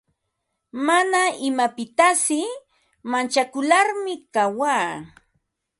Mana imapitasi manchakularmi kawaa.